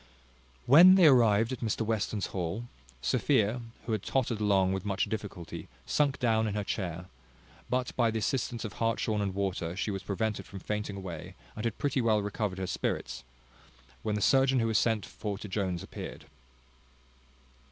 When they arrived at Mr Western's hall, Sophia, who had tottered along with much difficulty, sunk down in her chair; but by the assistance of hartshorn and water, she was prevented from fainting away, and had pretty well recovered her spirits, when the surgeon who was sent for to Jones appeared.